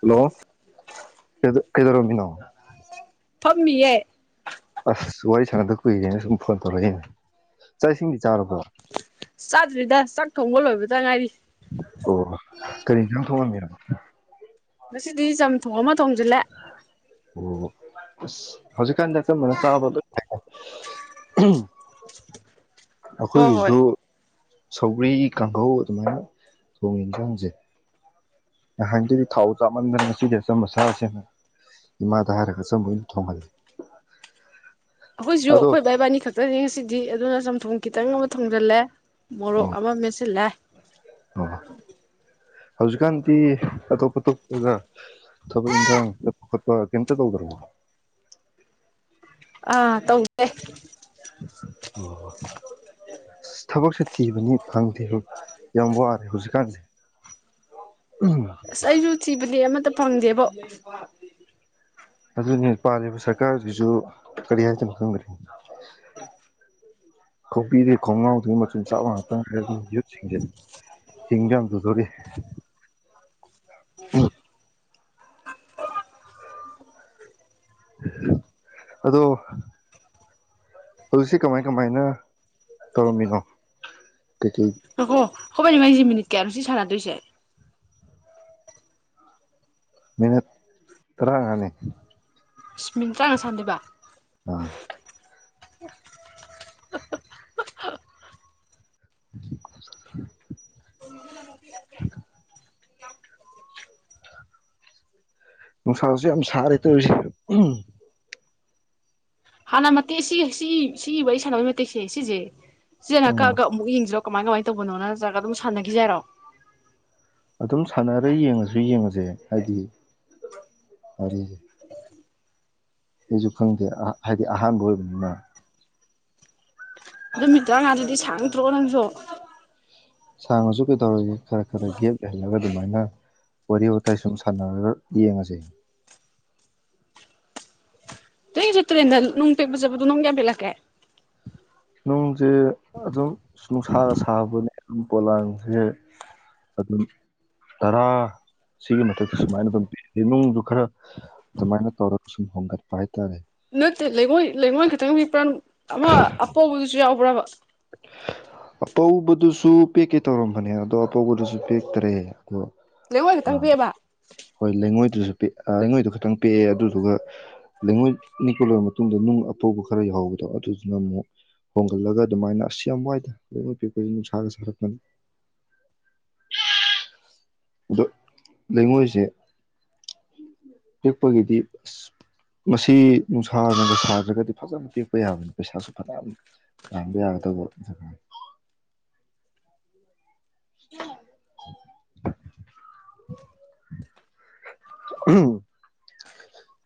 Hello ꯀ ꯀꯗꯔꯣꯃꯤꯅ ꯐꯝꯃꯤꯌꯦ ꯑꯁ ꯋꯥꯔꯤ ꯁꯥꯟꯅꯗ ꯀꯨꯏꯔꯦꯅ ꯁꯨꯝ ꯐꯣꯟ ꯇꯧꯔꯛꯦ ꯑꯩꯅ ꯆꯥꯛ ꯏꯁꯤꯡꯗꯤ ꯆꯥꯔꯕꯣ ꯆꯥꯗ꯭ꯔꯤꯗ ꯆꯥꯛ ꯊꯣꯡꯕ ꯂꯣꯏꯕꯇ ꯉꯥꯏꯔꯤ ꯑꯣ ꯀꯔꯤ ꯏꯟꯁꯥꯡ ꯊꯣꯡꯉꯝꯃꯤꯅ‌ꯣ ꯉꯁꯤꯗꯤ ꯆꯝꯊꯣꯡ ꯑꯃ ꯊꯣꯡꯁꯤꯜꯂꯦ ꯑꯣ ꯑꯁ ꯍꯧꯖꯤꯛ ꯀꯥꯟꯗꯣ ꯑꯆꯡꯕꯅ ꯆꯥꯕ ꯂ‌ꯣꯏꯅꯥ ꯐꯩꯗ [inaudible] ꯍꯣꯏ ꯍꯣꯏ ꯑꯩꯈꯣꯏꯒꯤꯁꯨ ꯁꯧꯒꯔꯤ ꯀꯥꯡꯍꯧ ꯑꯗꯨꯃꯥꯏꯅ ꯊꯣꯡꯉꯦ ꯏꯟꯈꯥꯡꯁꯦ ꯅꯍꯥꯟꯗꯨꯗꯤ ꯊꯥꯎ ꯆꯥꯃꯟꯗꯅ ꯉꯁꯤꯗꯤ ꯑꯆꯝꯝꯕꯁꯁꯦꯅ ꯏꯃꯥꯗ ꯍꯥꯏꯔꯒ ꯑꯆꯝꯕꯣꯏ ꯑꯣꯏꯅ ꯊꯣꯡꯍꯜꯂꯦ ꯑꯩꯈꯣꯏꯁꯨ ꯑꯗꯣ ꯑꯩꯈꯣꯏ ꯕ ꯏꯕꯥꯟꯅꯤ ꯈꯛꯇꯅꯤ ꯉꯁꯤꯗꯤ ꯑꯗꯨꯅ ꯆꯝꯊꯣꯡ ꯈꯤꯇꯪ ꯑꯃ ꯊꯣꯡꯖꯤꯜꯂꯦ ꯃꯣꯔꯣꯛ ꯑꯃ ꯃꯦꯠꯁꯤꯜꯂ‌ꯦ ꯑ ꯍꯧꯖꯤꯛꯀꯥꯟꯗꯤ ꯑꯇꯣꯞ ꯑꯇꯣꯞꯄꯒ ꯊꯕꯛ ꯏꯟꯈꯥꯡ ꯆꯠꯄ ꯈꯣꯠꯄ ꯀꯩꯝꯇ ꯇꯧꯗ꯭ꯔꯕ‌ꯣ ꯑꯥ ꯇꯧꯗꯦ ꯑꯣ ꯊꯕꯛꯁꯦ ꯊꯤꯕꯅꯤ ꯐꯪꯗꯦ ꯌꯥꯝ ꯋꯥꯔꯦ ꯍꯧꯖꯤꯛꯀꯥꯟꯁꯦ ꯎꯝ ꯑꯩꯁꯨ ꯊꯤꯕꯅꯤ ꯑꯃꯠꯇ ꯐꯪꯗꯦꯕꯣ ꯑꯗꯨ ꯄꯥꯜꯂꯤꯕ ꯁꯔꯀꯥꯔꯁꯤꯁꯨ ꯀꯔꯤ ꯍꯥꯏꯗꯅꯣ ꯈꯪꯗꯔꯦ ꯈꫭꯕꯤꯗꯩ ꯈꫭꯡꯅꯥꯎ ꯑꯗꯨ ꯃꯆꯤꯟ ꯆꯥꯕ ꯉꯥꯛꯇꯪ ꯍꯥꯏ ꯑꯗꯨ ꯌꯨꯠꯁꯤꯡꯁꯦ ꯍꯤꯡꯖꯝꯗꯨꯗꯣꯔꯤ ꯎꯝ ꯑꯗꯣ ꯍꯧꯖꯤꯛꯁꯦ ꯀꯃꯥꯏ ꯀꯃꯥꯏꯅ ꯇꯝꯃꯤꯅꯣ ꯀ ꯍꯣꯏꯅꯦ ꯃꯥꯏꯁꯤ ꯃꯤꯅꯤꯠ ꯀꯌꯥꯅꯣ ꯁꯤ ꯁꯥꯟꯅꯗꯣꯏꯁꯦ ꯃꯤꯅꯠ ꯇꯔꯥꯒꯅꯤ ꯁ ꯃꯤꯅꯤꯠ ꯆꯪꯅ ꯁꯥꯟꯗꯕ ꯑꯥ [inaudible] [inaudible] ꯅꯨꯡꯁꯥꯁꯨ ꯌꯥꯝ ꯁꯥꯔꯦ ꯇꯧꯔꯤꯁꯦ ꯎ ꯍꯥꯟꯅ ꯃꯇꯦꯛ ꯁꯤ ꯁꯤ ꯁꯤ ꯋꯥꯔꯤ ꯁꯥꯟꯅꯕꯒꯤ ꯃꯇꯦꯛꯁꯦ ꯁꯤꯁꯦ ꯏꯆꯦꯅ ꯑꯥ ꯀꯛꯑꯒ ꯑꯃꯨꯛ ꯌꯦꯡꯁꯤꯔꯣ꯫ ꯀꯃꯥꯏ ꯀꯃꯥꯏꯅ ꯇꯧꯕꯅꯣꯅ ꯅꯠꯇ꯭ꯔꯒ ꯑꯗꯨꯝ ꯁꯥꯟꯅꯈꯤꯁꯦꯔꯣ ꯑꯗꯨꯝ ꯁꯥꯟꯅꯔ ꯌꯦꯡꯉꯁꯨ ꯌꯦꯡꯉꯁꯦ ꯍꯥꯏꯗꯤ ꯑꯩꯁꯨ ꯈꯪꯗꯦ ꯍꯥꯏꯗꯤ ꯑꯍꯥꯟꯕ ꯑꯣꯏꯕꯅꯤꯅ ꯑꯗꯨꯃꯤꯅꯤꯠꯇꯔꯥꯉꯥꯗꯨꯗꯤ ꯁꯥꯡꯗ꯭ꯔꯣ ꯅꯪꯁꯨ꯫ ꯁꯥꯡꯉꯁꯨ ꯀꯩꯗꯧꯔꯒꯦ ꯈꯔ ꯈꯔ ꯒꯦꯞ ꯂꯩꯍꯜꯂꯒ ꯑꯗꯨꯃꯥꯏꯅ ꯋꯥꯔꯤ ꯋꯥꯋꯇꯥꯏ ꯁꯨꯝ ꯁꯥꯟꯅꯔꯒ ꯌꯦꯡꯉꯁꯦ ꯇꯨꯔꯦꯜꯗ ꯅꯨꯡ ꯄꯤꯛꯄ ꯆꯠꯄꯗꯨ ꯅꯨꯡ ꯌꯥꯝ ꯄꯤꯛꯂꯛꯀꯦ ꯅꯨꯡꯁꯦ ꯑꯗꯨꯝ ꯅꯨꯡꯁꯥꯅ ꯁꯥꯕꯅꯦ ꯑꯗꯨꯝ ꯄꯣꯂꯥꯡꯁꯦ ꯑꯗꯨꯝ ꯇꯔꯥ ꯁꯤꯒꯤ ꯃꯊꯛꯇ ꯁꯨꯃꯥꯏꯅ ꯑꯗꯨꯝ ꯄꯤ ꯅꯨꯡꯗꯨ ꯈꯔ ꯑꯗꯨꯃꯥꯏꯅ ꯇꯧꯔꯒ ꯁꯨꯝ ꯍꯣꯡꯒꯠꯄ ꯍꯥꯏꯇꯥꯔꯦ꯫ ꯅꯠꯇꯦ ꯂꯩꯉꯣꯏ ꯂꯩꯉꯣꯏ ꯈꯤꯇꯪ ꯄꯦꯛꯄꯔꯥ ꯑꯃ ꯑꯄꯧꯕꯗꯨꯖꯨ ꯌꯥꯎꯕꯔꯥ ꯄꯨꯔꯥ ꯑꯄꯧꯕꯗꯨꯁꯨ ꯄꯦꯛꯀꯦ ꯇꯧꯔꯝꯕꯅꯦ ꯑꯗꯣ ꯑꯄꯧꯕꯗꯨꯁꯨ ꯄꯦꯛꯇꯔꯦ ꯑꯗꯣ ꯂꯩꯉꯣꯏ ꯈꯤꯇꯪ ꯄꯦꯛꯑꯕ ꯍꯣꯏ ꯂꯩꯉꯣꯏꯗꯨꯁꯨ ꯄꯦꯛ ꯂꯩꯉꯣꯏꯗꯨ ꯈꯇꯪ ꯄꯦꯛꯑꯦ ꯑꯗꯨꯗꯨꯒ ꯂꯩꯉꯣꯏ ꯅꯤꯛꯄ ꯂꯣꯏꯔ ꯃꯇꯨꯡꯗ ꯅꯨꯡ ꯑꯐꯧꯕ ꯈꯔ ꯌꯥꯎꯧꯕꯗꯣ ꯑꯗꯨꯗꯨꯅ ꯑꯃꯨꯛ ꯍꯣꯡꯒꯠꯂꯒ ꯑꯗꯨꯃꯥꯏꯅ ꯑꯁ ꯌꯥꯝ ꯋꯥꯏꯗꯦ ꯂꯩꯉꯣꯏ ꯄꯦꯛꯄꯁꯤ ꯅꯨꯡꯁꯥꯒ꯫ ꯁꯥꯔꯛꯀꯅꯤ ꯑꯗꯣ ꯂꯩꯉꯣꯏꯁꯦ ꯄꯦꯛꯄꯒꯤꯗꯤ ꯑꯁ ꯃꯁꯤ ꯅꯨꯡꯁꯥꯅꯒ ꯁꯥꯗ꯭ꯔꯒꯗꯤ ꯐꯖꯅ ꯄꯦꯛꯄ ꯌꯥꯕꯅꯤ ꯄꯩꯁꯥꯁꯨ ꯐꯖꯅ ꯇꯥꯟꯕ ꯌꯥꯒꯗꯕ ꯖꯒꯥꯅꯤ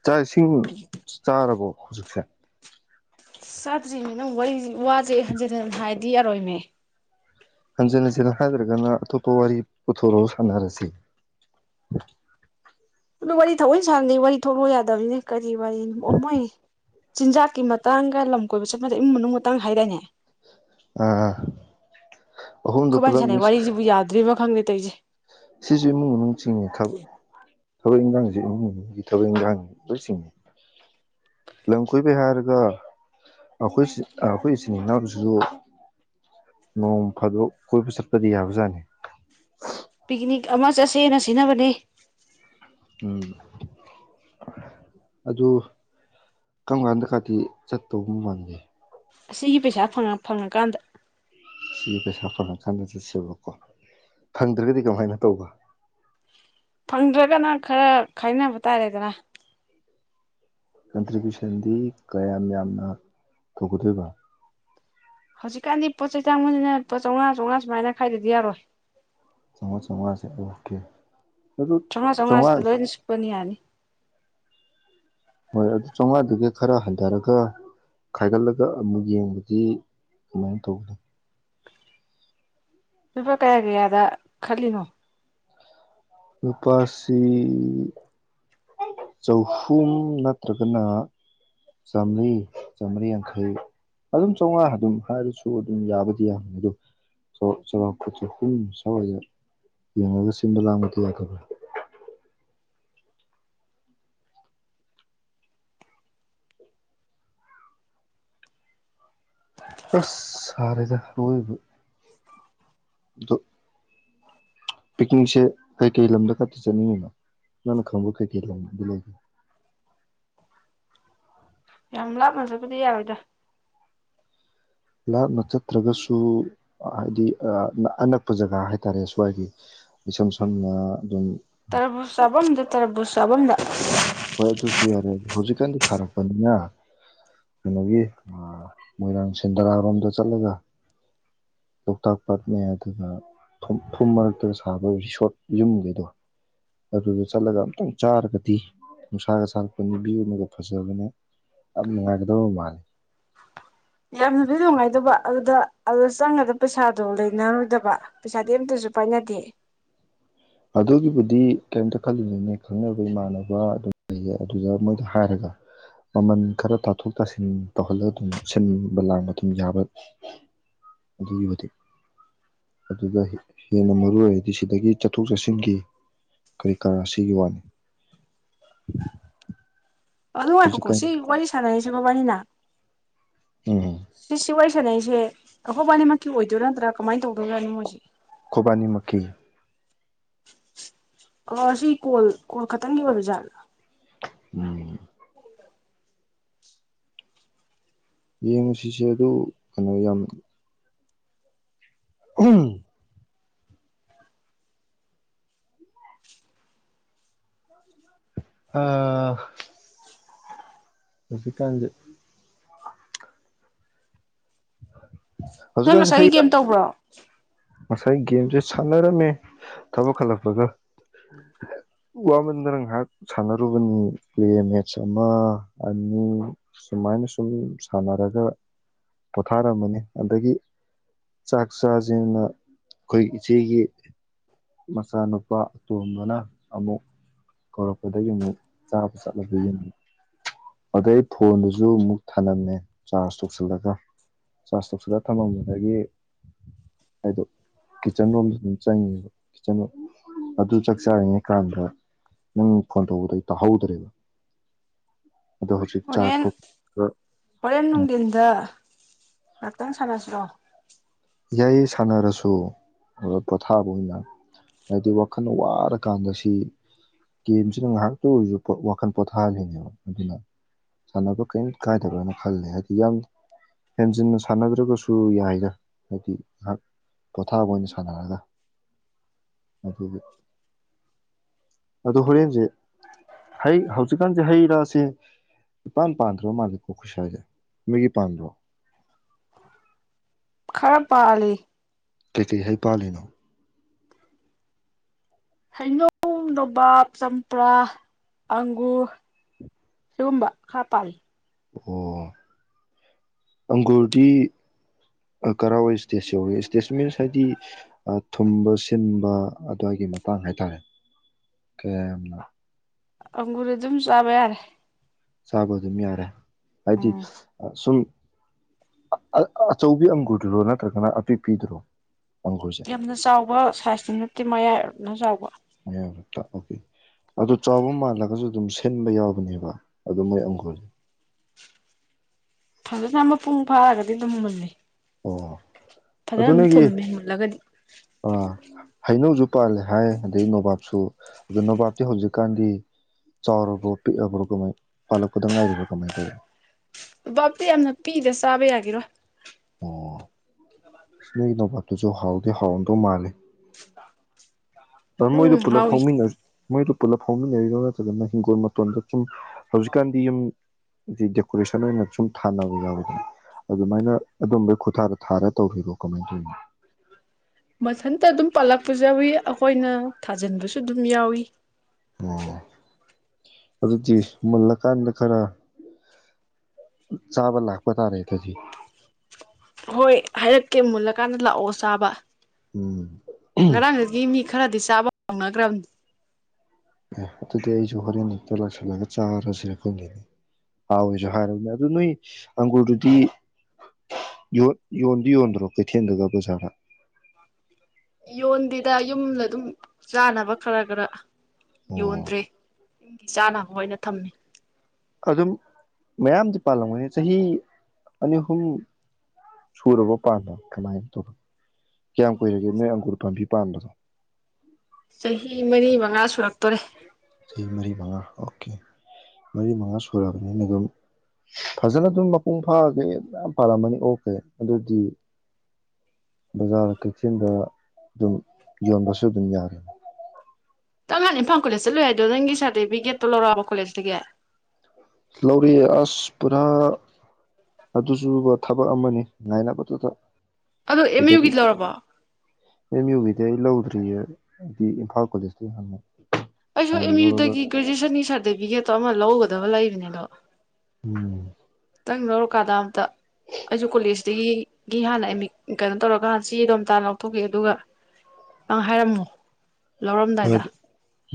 ꯆꯥꯛ ꯏꯁꯤꯡ ꯆꯥꯔꯕꯣ ꯍꯧꯖꯤꯛꯁꯦ ꯆꯥꯗꯔꯤꯅꯦ ꯅꯪ ꯋꯥꯔꯤ ꯋꯥꯁꯦ ꯍꯟꯖꯤꯟ ꯍꯟꯖꯤꯟ ꯍꯥꯏꯗꯤ ꯌꯥꯔꯣꯏꯃꯦ꯫ ꯍꯟꯖꯤꯟ ꯍꯟꯖꯤꯟ ꯍꯥꯏꯗ꯭ꯔꯒꯅ ꯑꯇꯣꯞꯄ ꯋꯥꯔꯤ ꯄꯨꯊꯣꯔꯑꯣ ꯁꯥꯟꯅꯔꯁꯤ ꯑꯗꯨ ꯋꯥꯔꯤ ꯊꯑꯣꯏꯅ ꯁꯥꯟꯅꯗꯤ ꯋꯥꯔꯤ ꯊꯂꯛꯎ ꯌꯥꯗꯕꯅꯤꯅꯦ ꯀꯔꯤ ꯋꯥꯔꯤꯅꯣ ꯑꯣ ꯃꯣꯏ ꯆꯤꯟꯖꯥꯛꯀꯤ ꯃꯇꯥꯡꯒ ꯂꯝ ꯀꯣꯏꯕ ꯆꯠꯄꯗꯦ ꯏꯃꯨꯡ ꯃꯅꯨꯡ ꯃꯇꯥꯡ ꯍꯥꯏꯗꯥꯏꯅꯦ ꯑꯥ ꯑꯍꯨꯝꯗꯣ ꯈꯨꯕꯥꯟꯅꯤ ꯄꯨꯂꯞ ꯁꯥꯟꯅꯩ ꯃꯤꯛꯁ ꯋꯥꯔꯤꯁꯤꯕꯨ ꯌꯥꯗ꯭ꯔꯤꯕ ꯈꯪꯗꯦ ꯇꯧꯁꯦ ꯁꯤꯁꯨ ꯏꯃꯨꯡ ꯃꯅꯨꯡ ꯆꯤꯡꯉꯤ ꯊꯕꯛ ꯏꯟꯈꯥꯡꯁꯦ ꯏꯃꯨꯡ ꯃꯅꯨꯡꯒꯤ ꯊꯕꯛ ꯏꯟꯈꯥꯡ ꯂꯣꯏ ꯆꯤꯡꯉꯤ ꯂꯝ ꯀꯣꯏꯕꯩ ꯍꯥꯏꯔꯒ ꯑꯩꯈꯣꯏ ꯑꯩꯈꯣꯏ ꯏꯆꯤꯟ ꯏꯅꯥꯎꯁꯤꯁꯨ ꯅꯣꯡ ꯐꯥꯗꯣꯛ ꯀꯣꯏꯕ ꯆꯠꯄꯗꯤ ꯌꯥꯕꯖꯥꯠꯅꯤ ꯄꯤꯛꯅꯤꯛ ꯑꯃ ꯆꯠꯁꯦꯅ ꯁꯤꯟꯅꯅꯕꯅꯦ ꯎꯝ ꯑꯗꯨ ꯀꯔꯝ ꯀꯥꯟꯗ ꯀꯥꯗꯤ ꯆꯠꯇꯧꯕ ꯃꯥꯟꯒꯦ ꯑꯁꯤꯒꯤ ꯄꯩꯁꯥ ꯐꯪꯉꯀꯥꯟꯗ ꯁꯤꯒꯤ ꯄꯩꯁꯥ ꯐꯪꯉꯀꯥꯟꯗ ꯆꯠꯁꯦꯕꯀꯣ ꯐꯪꯗ꯭ꯔꯒꯗꯤ ꯀꯃꯥꯏꯅ ꯇꯧꯕ ꯐꯪꯗ꯭ꯔꯥꯒꯅ ꯈꯔ ꯈꯥꯏꯅꯕ ꯇꯥꯔꯦꯗꯅ ꯀꯟꯇ꯭ꯔꯤꯕ꯭ꯌꯨꯁꯟꯗꯤ ꯀꯌꯥꯝ ꯌꯥꯝꯅ ꯇꯧꯒꯗꯣꯏꯕ ꯍꯧꯖꯤꯛꯀꯥꯟꯗꯤ ꯄꯣꯠ ꯆꯩ ꯇꯥꯡꯕꯅꯤꯅ ꯄꯣ ꯆꯥꯝꯃꯉꯥ ꯆꯥꯝꯃꯉꯥ ꯁꯨꯃꯥꯏꯅ ꯈꯥꯏꯗꯗꯤ ꯌꯥꯔꯣꯏ ꯆꯃꯥꯉꯥ ꯆꯃꯥꯉꯥꯁꯦ ꯑꯣꯀꯦ ꯑꯗꯨ ꯆꯃꯥꯉꯥ ꯆꯥꯃꯥꯉꯥꯁꯤꯗ ꯆꯥꯝꯃꯉꯥ ꯂꯣꯏꯅ ꯁꯨꯞꯄꯅꯤ ꯌꯥꯅꯤ ꯍꯣꯏ ꯑꯗꯨ ꯆꯥꯝꯃꯉꯥꯗꯨꯒ ꯈꯔ ꯍꯟꯊꯔꯒ ꯈꯥꯏꯒꯠꯂꯒ ꯑꯃꯨꯛ ꯌꯦꯡꯕꯗꯤ ꯀꯃꯥꯏꯅ ꯇꯧꯕꯅꯤ ꯂꯨꯄꯥ ꯀꯌꯥ ꯀꯌꯥꯗ ꯈꯜꯂꯤꯅꯣ ꯂꯨꯄꯥꯥꯁꯤ ꯆꯍꯨꯝ ꯅꯠꯇ꯭ꯔꯒꯅ ꯆꯥꯃ꯭ꯔꯤ ꯆꯥꯃꯔꯤ ꯌꯥꯡꯈꯩ ꯑꯗꯨꯝ ꯆꯥꯝꯃꯉꯥ ꯑꯗꯨꯝ ꯍꯥꯏꯔꯁꯨ ꯑꯗꯨꯝ ꯌꯥꯕꯗꯤ ꯌꯥꯕꯅꯤ ꯑꯗꯣ ꯆꯥꯎꯔꯥꯛ ꯆꯍꯨꯝ ꯁ꯭ꯋꯥꯏꯗ ꯌꯦꯡꯉꯒ ꯁꯤꯟꯕ ꯂꯥꯡꯕꯗꯤ ꯌꯥꯗꯕ꯭ꯔꯥ ꯑꯁ ꯁꯥꯔꯦꯗ ꯑꯔꯣꯏꯕ ꯑꯗꯣ ꯄꯤꯛꯅꯤꯡꯁꯦ ꯀꯩꯀꯩ ꯂꯝꯗ ꯈꯛꯇ ꯆꯠꯅꯤꯡꯉꯤꯅꯣ ꯅꯪꯅ ꯈꯪꯕ ꯀꯩꯀꯩ ꯂꯝ ꯂꯩꯒꯦ ꯌꯥꯝ ꯂꯥꯞꯅꯁꯨꯕꯨꯗꯤ ꯌꯥꯋꯦꯗ ꯂꯥꯞꯅ ꯆꯠꯇ꯭ꯔꯒꯁꯨ ꯍꯥꯏꯗꯤ ꯑꯅꯛꯄ ꯖꯒꯥ ꯍꯥꯏꯇꯥꯔꯦ ꯁ꯭ꯋꯥꯏꯒꯤ ꯏꯁꯝ ꯁꯝꯅ ꯑꯗꯨꯝ ꯇꯔꯕꯨ ꯆꯥꯐꯝꯗ ꯇꯔꯕꯨ ꯆꯥꯕꯝꯗ ꯍꯣꯏ ꯆ ꯁꯤ ꯌꯥꯔꯦ ꯍꯧꯖꯤꯛ ꯀꯗꯤ ꯈꯔꯛ ꯂꯄꯅꯤꯅ ꯀꯩꯅꯣꯒꯤ ꯃꯣꯏꯔꯥꯡ ꯁꯦꯟꯗꯔꯥꯔꯣꯝꯗ ꯆꯠꯂꯒ ꯂꯣꯛꯇꯥꯛ ꯄꯥꯠꯅꯦ ꯑꯗꯨꯒ ꯐꯨꯝ ꯃꯔꯛꯇ ꯁꯥꯕ ꯔꯤꯁꯣꯔꯠ ꯌꯨꯝꯈꯩꯗꯣ ꯑꯗꯨꯗ ꯆꯠꯂꯒ ꯑꯇꯪ ꯆꯥꯔꯒꯗꯤ ꯅꯨꯡꯁꯥꯒ ꯁꯥꯔꯛꯄ ꯅꯨꯄꯤ ꯑꯃꯒ ꯐꯖꯕꯅꯦ ꯌꯥꯝ ꯅꯨꯡꯉꯥꯏꯒꯗꯕ ꯃꯥꯜꯂꯤꯦ ꯌꯥꯝ ꯅꯨꯗꯤ ꯅꯨꯡꯉꯥꯏꯗꯕ ꯑꯗꯨꯗ ꯑꯗꯨꯗ ꯆꯪꯉꯗ ꯄꯩꯁꯥꯗꯣ ꯂꯩꯅꯔꯣꯏꯗꯕ ꯄꯩꯁꯥꯗꯤ ꯑꯝꯇꯁꯨ ꯄꯥꯏꯅꯗꯦ ꯑꯗꯨꯒꯤꯕꯨꯗꯤ ꯀꯔꯤꯝꯇ ꯈꯜꯂꯤꯅꯤꯅꯦ ꯈꯪꯅꯕ ꯏꯃꯥꯟꯅꯕ ꯑꯗꯨꯝ ꯂꯩꯌꯦ ꯑꯗꯨꯗ ꯃꯣꯏꯗ ꯍꯥꯏꯔꯒ ꯃꯃꯟ ꯈꯔ ꯇꯥꯊꯣꯛ ꯇꯥꯁꯤꯟ ꯇꯧꯍꯜꯂꯒ ꯑꯗꯨꯝ ꯁꯤꯟꯕ ꯂꯥꯡꯕ ꯑꯗꯨꯝ ꯌꯥꯕ ꯑꯗꯨꯒꯤꯕꯨꯗꯤ ꯑꯗꯨ ꯍꯦꯟꯅ ꯃꯔꯨ ꯑꯣꯏꯔꯗꯤ ꯁꯤꯗꯒꯤ ꯆꯠꯊꯣꯛ ꯆꯠꯁꯤꯟꯒꯤ ꯀꯔꯤ ꯀꯥꯔꯥ ꯑꯁꯤꯒꯤꯒꯤ ꯋꯥꯅꯤ ꯑꯗꯨꯅꯨꯡꯉꯥꯏꯄꯀꯣ ꯍꯧꯖꯤꯛꯀꯥꯟ ꯁꯤ ꯋꯥꯔꯤ ꯁꯥꯟꯅꯔꯤꯁꯤꯀꯣ ꯋꯥꯔꯤꯅ ꯎ ꯍ ꯁꯤ ꯁꯤ ꯋꯥꯔꯤ ꯁꯥꯟꯅꯩꯁꯦ ꯑꯩꯈꯣꯕꯥꯅꯤꯃꯛꯀꯤ ꯑꯣꯏꯗꯣꯏꯔꯥ ꯅꯠꯇ꯭ꯔꯥ ꯀꯃꯥꯏꯅ ꯇꯧꯗꯣꯏꯔꯥꯅꯣꯣꯏꯁꯦ ꯈꯨꯕꯥꯅꯤ ꯃꯀꯤꯤ ꯑ ꯁꯤ ꯀꯣꯜ ꯀꯣꯜ ꯈꯛꯇꯪꯒꯤ ꯑꯣꯏꯔꯣꯖꯥꯠꯂ ꯎꯝ ꯌꯦꯡꯉꯨꯁꯤꯁꯦ ꯑꯗꯨ ꯀꯩꯅꯣ ꯌꯥꯝ ꯎꯝ ꯑ ꯍꯧꯖꯤꯀꯥꯟ ꯍ ꯅꯪ ꯉꯁꯥꯏꯒꯤ ꯀꯦꯝ ꯇꯧꯕ꯭ꯔꯣ [inaudible] ꯉꯁꯥꯏ ꯒꯦꯝꯁꯦ ꯁꯥꯟꯅꯔꯝꯃꯦ ꯊꯕꯛ ꯈꯜꯂꯛꯄꯒ ꯋꯥꯃꯟꯗꯅ ꯉꯥꯏꯍꯥꯛ ꯁꯥꯟꯅꯔꯨꯕꯅꯤ ꯄ꯭ꯂꯦ ꯃꯦꯠꯆ ꯑꯃ ꯑꯅꯤ ꯁꯨꯃꯥꯏꯅ ꯁꯨꯝ ꯁꯥꯟꯅꯔꯒ ꯄꯣꯊꯥꯔꯝꯃꯅꯤ ꯑꯗꯒꯤ ꯆꯥꯛ ꯆꯥꯁꯤꯅ ꯑꯩꯈꯣꯏꯒꯤ ꯏꯆꯦꯒꯤ ꯃꯆꯥꯅꯨꯄꯥ ꯑꯇꯣꯝꯕꯅ ꯑꯃꯨꯛ ꯀꯧꯔꯛꯄꯗꯒꯤ ꯑꯃꯨꯛ ꯆꯥꯕ ꯆꯠꯂꯒ ꯌꯦꯡ ꯑꯗꯩ ꯐꯣꯟꯗꯨꯁꯨ ꯑꯃꯨꯛ ꯊꯥꯂꯝꯝꯃꯦ ꯆꯥꯔꯖ ꯇꯧꯁꯤꯜꯂꯒ ꯆꯥꯔꯖ ꯇꯧꯁꯤꯜꯂ ꯊꯝꯃꯝꯕꯗꯒꯤ ꯍꯥꯏꯗꯣ ꯀꯤꯠꯆꯟ ꯔꯣꯝꯗ ꯑꯗꯨꯝ ꯆꯪꯉꯦꯕ ꯀꯤꯠꯆꯟꯣ ꯑꯗꯨ ꯆꯥꯛꯆꯥꯔꯤꯉꯩ ꯀꯥꯟꯗ ꯅꯪ ꯐꯣꯟ ꯇꯧꯕꯗ ꯑꯩ ꯇꯥꯍꯧꯗ꯭ꯔꯦꯕ ꯑꯗꯣ ꯍꯧꯖꯤꯛ ꯆꯥꯛ ꯑꯣꯣꯔꯦꯟꯦꯟ ꯇꯣꯛꯄ ꯑꯣꯣꯔꯦꯟꯅ ꯎꯗꯤꯗ ꯉꯥꯛꯇꯪ ꯁꯥꯟꯅꯁꯤꯔꯣ ꯌꯥꯏꯌꯦ ꯁꯥꯟꯅꯔꯁꯨ ꯄꯣꯊꯥꯕ ꯑꯣꯏꯅ ꯍꯥꯏꯗꯤ ꯋꯥꯈꯜ ꯋꯥꯔꯀꯥꯟꯗ ꯁꯤ ꯒꯦꯝꯁꯤꯅ ꯉꯥꯏꯍꯥꯛꯇ ꯑꯣꯏꯔꯁꯨ ꯋꯥꯈꯜ ꯄꯣꯊꯥꯍꯜꯂꯤꯅꯦꯕ ꯑꯗꯨꯅ ꯁꯥꯟꯅꯕ ꯀꯔꯤꯝ ꯀꯥꯏꯗꯕ꯭ꯔꯅ ꯈꯜꯂꯦ ꯍꯥꯏꯗꯤ ꯌꯥꯝ ꯍꯦꯟꯖꯤꯟꯅ ꯁꯥꯟꯅꯗ꯭ꯔꯒꯁꯨ ꯌꯥꯏꯗ ꯍꯥꯏꯗꯤ ꯉꯥꯏꯍꯥꯛ ꯄꯣꯊꯥꯕ ꯑꯣꯏꯅ ꯁꯥꯟꯅꯔꯒ ꯑꯗꯨꯗꯤ ꯑꯗꯣ ꯍꯣꯔꯦꯟꯁꯦ ꯍꯩ ꯍꯧꯖꯤꯛꯀꯥꯟꯁꯦ ꯍꯩ ꯔꯥꯁꯦ ꯏꯄꯥꯟ ꯄꯥꯟꯗ꯭ꯔꯣ ꯃꯥꯜꯂꯦꯀꯣ ꯑꯩꯈꯠꯁ꯭ꯋꯥꯏꯁꯦ ꯃꯤꯒꯤ ꯄꯥꯟꯗ꯭ꯔꯣ ꯈꯔ ꯄꯥꯜꯂꯤꯂꯤ ꯀꯩꯀꯩ ꯍꯥꯏꯩ ꯄꯥꯜꯂꯤꯅꯣ ꯍꯩꯅꯧ ꯅꯣꯕꯥꯞ ꯆꯝꯄ꯭ꯔꯥ ꯑꯪꯒꯨꯔ ꯁꯤꯒꯨꯝꯕ ꯈꯔ ꯄꯥꯜꯂꯤ ꯑꯣ ꯑꯪꯒꯨꯔꯗꯤ ꯀꯔꯋꯥꯏ ꯏꯁꯇꯦꯖ ꯌꯧꯏ ꯏꯁꯇꯦꯖ ꯃꯤꯟꯁ ꯍꯥꯏꯗꯤ ꯊꯨꯝꯕ ꯁꯤꯟꯕ ꯑꯗꯨꯋꯥꯏꯒꯤ ꯃꯇꯥꯡ ꯍꯥꯏꯇꯥꯔꯦ ꯀꯌꯥꯝꯅ ꯑꯪꯒꯨꯔ ꯑꯗꯨꯝ ꯆꯥꯕ ꯌꯥꯔꯦ ꯆꯥꯕ ꯑꯗꯨꯝ ꯌꯥꯔꯦ ꯍꯥꯏꯗꯤ ꯎꯝ ꯁꯨꯝ ꯑꯆꯧꯕꯤ ꯑꯪꯒꯨꯗꯨꯔꯣ ꯅꯠꯇ꯭ꯔꯒꯅ ꯑꯄꯤꯛꯄꯤꯤꯗ꯭ꯔꯣ ꯌꯥꯝꯅ ꯆꯥꯎꯕ ꯁꯥꯏꯖꯇꯨ ꯅꯠꯇꯦ ꯃꯌꯥꯏ ꯑꯗꯨ ꯆꯥꯎꯕ ꯃꯌꯥꯛꯇ ꯑꯣꯀꯦ ꯑꯗꯨ ꯆꯥꯎꯕ ꯃꯥꯜꯂꯒꯁꯨ ꯑꯗꯨꯝ ꯁꯤꯟꯕ ꯌꯥꯎꯕꯅꯦꯕ ꯑꯗꯨ ꯃꯣꯏ ꯑꯪꯈꯨꯔꯁꯦ ꯐꯖꯅ ꯃꯄꯨꯡ ꯐꯥꯔꯒꯗꯤ ꯑꯗꯨꯝ ꯃꯨꯜꯂꯤ ꯑꯣ ꯐꯖꯅ ꯑꯗꯨ ꯑꯗꯨꯝ ꯅꯒꯤ ꯊꯨꯝꯃꯦ ꯃꯨꯜꯂꯒꯗꯤ ꯑ ꯍꯩꯅꯧꯖ ꯄꯥꯜꯂꯦ ꯍꯥꯏ ꯑꯗꯩ ꯅꯣꯕꯥꯞꯁꯨ ꯑꯗꯨꯣ ꯅꯣꯕꯥꯞꯇꯤ ꯍꯧꯖꯤꯛꯀꯥꯟꯗꯤ ꯆꯥꯎꯔꯕ꯭ꯔꯣ ꯄꯤꯛꯑꯕ꯭ꯔꯣ ꯀꯃꯥꯏ ꯄꯥꯜꯂꯛꯄꯗ ꯉꯥꯏꯔꯤꯕ꯭ꯔꯥ ꯀꯃꯥꯏꯅ ꯇꯧꯕꯔꯤ ꯕꯥꯞꯗꯤ ꯌꯥꯝꯅ ꯄꯤꯗꯦ ꯆꯥꯕ ꯌꯥꯒꯤꯦꯔꯣ ꯑꯣ ꯏꯁꯅ ꯅꯄꯥꯇꯁꯨ ꯍꯥꯎꯗ ꯍꯥꯎꯟꯗꯧ ꯃꯥꯂꯦ ꯑ ꯃꯣꯏꯗ ꯎꯝ ꯄꯨꯂꯞ ꯍꯥꯎꯋꯤ ꯍꯧꯃꯤꯟꯅꯁꯤ ꯃꯣꯏꯗ ꯄꯨꯂꯞ ꯐꯥꯎꯃꯤꯟꯅꯔꯤ꯭ꯔꯣ ꯅꯠꯇ꯭ꯔꯒꯅ ꯍꯤꯡꯈꯣꯜ ꯃꯇꯣꯟꯗ ꯁꯨꯝ ꯍꯧꯖꯤꯛꯀꯥꯟꯗꯤ ꯌꯨꯝ ꯗꯦꯀꯣꯔꯦꯁꯟ ꯑꯣꯏꯅ ꯁꯨꯝ ꯊꯥꯅꯕ ꯌꯥꯎꯋꯗꯅ ꯑꯗꯨꯃꯥꯏꯅ ꯑꯗꯨꯝꯕꯩ ꯈꯨꯊꯥꯗ ꯊꯥꯔ ꯇꯧꯔꯣ ꯀꯃꯥꯏꯅ ꯇꯧꯅꯣ꯫ ꯃꯊꯟꯇ ꯑꯗꯨꯝ ꯄꯥꯜꯂꯛꯄꯁꯨ ꯌꯥꯎꯏ ꯑꯩꯈꯣꯏꯅ ꯊꯥꯖꯤꯟꯕꯁꯨ ꯑꯗꯨꯝ ꯌꯥꯎꯏꯤ꯫ ꯑꯣꯗꯤ ꯃꯜꯂ ꯀꯥꯟꯗ ꯈꯔ꯫ ꯆꯥꯕ ꯂꯥꯛꯥꯛꯄꯇꯥꯔꯦ ꯑꯗꯨꯗꯤ꯫ ꯍꯣꯏ ꯍꯥꯏꯔꯛꯀꯦ ꯃꯨꯜꯂꯀꯥꯟꯗ ꯂꯥꯛꯑꯣ ꯆꯥꯕ꯫ ꯎꯝ ꯉꯔꯥꯡꯒꯗ ꯃꯤ ꯈꯔꯗꯤꯁ ꯫ ꯆꯥꯕ-ꯅꯒ꯭ꯔꯝ꯫ ꯑꯦ ꯑꯗꯨꯗꯤ ꯑꯩꯁꯨ ꯍꯣꯔꯦꯟ ꯍꯛꯇ ꯂꯥꯛꯁꯜꯂꯒ ꯆꯥꯔꯁꯤꯔꯈꯣꯏꯅꯦ ꯍꯥꯎꯋꯦꯁꯨ ꯍꯥꯏꯔꯕꯅꯦ ꯑꯗꯨ ꯅꯣꯏ ꯑꯪꯒꯨꯔꯗꯨꯗꯤ ꯌꯣꯟꯗꯤ ꯌꯣꯟꯗ꯭ꯔꯣ ꯀꯩꯊꯦꯜꯗꯨꯒ ꯕꯖꯥꯔꯗ꯫ ꯌꯣꯟꯗ‌ꯦꯗ ꯌꯨꯝꯗ ꯑꯗꯨꯝ ꯆꯥꯅꯕ ꯈꯔ ꯈꯔ꯫ ꯑꯣ ꯌꯣꯟꯗ꯭ꯔꯦ꯫ ꯆꯥꯅꯕ ꯑꯣꯏꯅ ꯊꯝꯃꯤ꯫ ꯑꯗꯨꯝ ꯃꯌꯥꯝꯗꯤ ꯄꯥꯜꯂꯝꯒꯅꯤ ꯆꯍꯤ ꯑꯅꯤ ꯑꯍꯨꯝ ꯁꯨꯔꯕ ꯄꯥꯝꯕ ꯀꯃꯥꯏꯅ ꯇꯧ ꯀꯌꯥꯝ ꯀꯨꯏꯔꯒꯦ ꯅꯣꯏ ꯑꯪꯒꯨꯔ ꯄꯥꯝꯕꯤ ꯄꯥꯟꯕꯥꯝꯕꯗꯣ꯫ ꯆꯍꯤ ꯃꯔꯤ ꯃꯉꯥ ꯁꯨꯔꯛꯇꯣꯔꯦ꯫ ꯆꯍꯤ ꯃꯔꯤ ꯃꯉꯥ ꯑꯣꯀꯦ ꯃꯔꯤ ꯃꯉꯥ ꯁꯨꯛꯑꯔꯕꯅꯤꯅ ꯑꯗꯨꯝ꯫ ꯐꯖꯅ ꯑꯗꯨ꯫ ꯄꯨꯡ ꯐꯥꯔꯒ ꯌꯥꯝ ꯄꯥꯜꯂꯝꯃꯅꯤ ꯑꯣꯛꯈꯦ ꯑꯗꯨꯗꯤ ꯕꯖꯥꯔ ꯀꯩꯊꯦꯜꯗ ꯑꯗꯨꯝ ꯌꯣꯟꯕꯁꯨ ꯑꯗꯨꯝ ꯌꯥꯔꯅꯤ꯫ ꯇꯧ ꯅꯥꯟ ꯏꯝꯐꯥꯜ ꯀꯣꯂꯦꯖ ꯆꯠꯂꯨꯏ ꯍꯥꯏꯗꯣ ꯅꯪꯒꯤ ꯁꯥꯔꯇꯤꯐꯤꯀꯦꯠꯇꯣ ꯂꯧꯔꯛꯑꯕ ꯀꯣꯂꯦꯖꯇꯒꯤ꯫ ꯂꯧꯔꯛꯑꯦ ꯑꯁ ꯄꯨꯔꯥ ꯑꯗꯨꯁꯨꯕ ꯊꯕꯛ ꯑꯃꯅꯤ ꯉꯥꯏꯅꯕꯗꯨꯗ꯫ ꯑꯗꯨ ꯑꯦꯝ ꯌꯨꯒꯤ ꯁꯤꯗꯒꯤ ꯂꯧꯔꯕꯣ꯫ ꯗꯤ ꯑꯩ ꯂꯧꯗ꯭ꯔꯤꯌꯦ ꯗꯤ ꯏꯝꯐꯥꯜ ꯀꯣꯂꯦꯖꯀꯤ ꯍꯥꯟꯅ꯫ ꯑꯩꯁꯨ ꯁꯥꯏꯟ ꯑꯦꯝ ꯂꯧꯔꯒ ꯌꯨꯗꯒꯤ ꯒ꯭ꯔꯦꯖꯨꯋꯦꯁꯟꯒꯤ ꯁꯥꯔꯇꯤꯐꯤꯀꯦꯠꯇꯣ ꯑꯃ ꯂꯧꯒꯗꯕ ꯂꯩꯕꯅꯤꯗꯣ꯫ ꯎꯝ ꯇꯪ ꯂꯧꯔꯛ꯫ ꯀꯗꯥꯝꯇ ꯑꯩꯁꯨ ꯀꯣꯂꯦꯖꯇꯒꯤ꯫ ꯒꯤ ꯍꯥꯟꯅ ꯑꯦꯃꯤꯛ ꯒꯅꯨꯠ꯫ ꯇꯧꯔꯒꯥꯟ ꯆ‌ꯦꯗꫭ ꯑꯃꯇ ꯂꯧꯊꯣꯛꯄꯤꯌꫭ ꯑꯗꯨꯒ ꯅꯪ ꯍꯥꯏꯔꯝꯃꯣ꯫ ꯍꯣꯏ ꯂꯧꯔꯝꯗꯥꯏꯗ꯫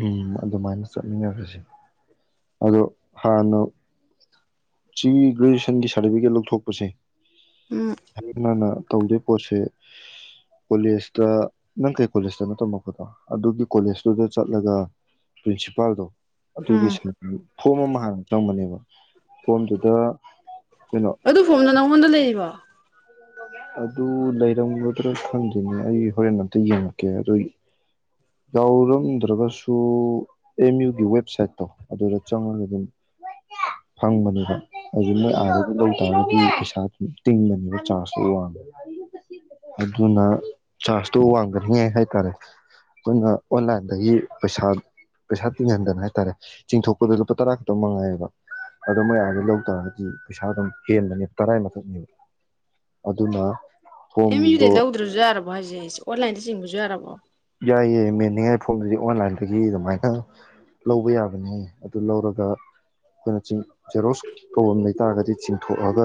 ꯎꯝ ꯑꯗꯨꯃꯥꯏꯅ ꯆꯠꯃꯤꯟꯅꯔꯁꯦ ꯑꯗꯣ ꯍꯥꯟꯅ ꯁꯤꯒꯤ ꯒ꯭ꯔꯦꯖꯨꯑꯦꯁꯟꯒꯤ ꯁꯥꯔꯇꯤꯐꯤꯀꯦꯠ ꯂꯧꯊꯣꯛꯄꯁꯦ꯫ ꯎꯝ ꯍꯥꯏꯅꯅ꯫ ꯇꯧꯗꯦ ꯄꯣꯠꯁꯦ ꯀꯣꯂꯦꯖꯇ ꯅꯪ ꯀꯩ ꯀꯣꯂꯦꯖꯇꯅ ꯇꯝꯃꯛꯄꯗꯣ ꯑꯗꯨꯒꯤ꯫ ꯀꯣꯂꯦꯖꯇꯨꯗ ꯆꯠꯂꯒ ꯄ꯭ꯔꯤꯟꯁꯤꯄꯥꯜꯗꯣ꯫ ꯑꯗꯨꯒꯤ ꯎꯝ ꯗꯨ ꯐꯣꯝ ꯑꯃ ꯍꯥꯟꯅ ꯆꯪꯕꯅꯦꯕ꯫ ꯐꯣꯝꯗꯨꯗ ꯀꯩꯅꯣ ꯑꯗꯨꯏ ꯐꯣꯝ ꯅꯪꯉꯣꯟꯗ ꯂꯩꯔꯤꯕꯣ꯫ ꯑꯗꯨ ꯂꯩꯔꯝꯒꯗ꯭ꯔꯥ ꯈꯪꯗꯦꯅꯦ ꯑꯩ ꯍꯣꯔꯦꯟ ꯑꯝꯇ ꯌꯦꯡꯉꯛꯀꯦ ꯑꯗꯨꯒꯤ ꯌꯥꯎꯔꯝꯗ꯭ꯔꯒꯁꯨ ꯑꯦꯝ ꯌꯨꯒꯤ ꯋꯦꯕꯁꯥꯏꯠ꯫ ꯑꯗꯨꯗ ꯆꯪꯉꯥ ꯔꫭꯏꯗꯝ꯫ ꯐꯪꯕꯅꯤꯗ꯫ ꯑꯗꯨ ꯅꫭꯏ ꯎꯝ ꯑꯗꯗꯤ ꯂꯩ꯫ ꯑꯗꯨꯗꯤ ꯄꯩꯁꯥ ꯇꯤꯡꯕꯅꯦꯕ ꯆꯥꯔꯖ꯫ ꯋꯥꯡꯉ ꯑꯗꯨꯅ ꯆꯥꯔꯖꯇꯣ ꯋꯥꯡꯗꯅꯤꯉꯥꯏ ꯍꯥꯏꯇꯥꯔꯦ ꯑꯩꯈꯣꯏꯅ ꯑꯣꯟꯂꯥꯏꯟꯗꯒꯤ ꯄꯩꯁꯥ ꯄꯩꯁꯥ ꯇꯤꯡꯍꯟꯗꯅ ꯍꯥꯏꯇꯥꯔꯦ ꯆꯤꯡꯊꯣꯛꯄꯗ ꯂꯨꯄꯥ ꯇꯔꯥ ꯈꯛꯇꯪ ꯃꯉꯥꯏꯌꯦꯕ ꯑꯗꯣ ꯃꯌꯥꯝꯗ ꯂꯧ ꯇꯥꯔꯒꯗꯤ ꯄꯩꯁꯥ ꯑꯗꯨꯝ ꯍꯦꯟꯕꯅꯦꯕ ꯇꯔꯥꯏ ꯃꯊꯛꯅꯦꯕ ꯑꯗꯨꯅ ꯑꯦꯝ ꯐꯣꯝꯗꯣ ꯌꯨꯩ ꯂꯧꯗ꯭ꯔꯁꯨ ꯌꯥꯔꯕꯣ ꯍꯥꯏꯁꯦ ꯑꯩꯁꯦ ꯑꯣꯟꯂꯥꯏꯟꯗ ꯆꯤꯡꯕꯁꯨ ꯌꯥꯔꯕꯣ ꯑꯩꯥꯏꯌꯦ ꯃꯦꯟꯅꯤꯡꯉꯥꯏ ꯐꯣꯟꯗꯨꯗꯤ ꯑꯣꯟꯂꯥꯏꯟꯗꯒꯤ ꯑꯗꯨꯃꯥꯏꯅ ꯂꯧꯕ ꯌꯥꯕꯅꯦ ꯑꯗꯨ ꯂꯧꯔꯒ ꯑꯩꯈꯣꯏꯅꯤꯡ ꯖꯦꯔꯣꯁ ꯄ꯭ꯔꯣꯕ꯭ꯂꯦꯝ ꯂꯩꯇꯥꯥꯔꯒꯗꯤ ꯆꯤꯡꯊꯣꯛꯑꯒ